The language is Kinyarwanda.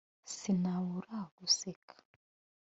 Sinabura guseka